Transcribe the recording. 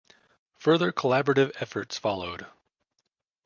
Further collaborative efforts followed.